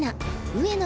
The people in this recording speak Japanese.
上野